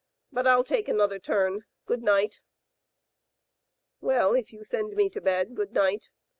But ril take another turn. Good night." "Well, if you send me to bed, good night.